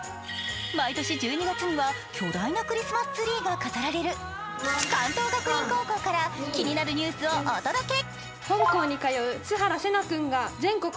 毎年１２月には巨大なクリスマスツリーが飾られる関東学院高校から気になるニュースをお届け。